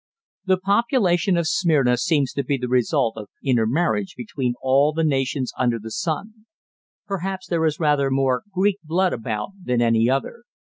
The population of Smyrna seems to be the result of inter marriage between all the nations under the sun. Perhaps there is rather more Greek blood about than any other.